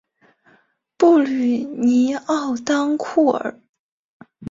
布吕尼沃当库尔。